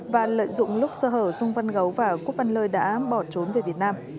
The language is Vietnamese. và lợi dụng lúc sơ hở sung mân gấu và quốc văn lơi đã bỏ trốn về việt nam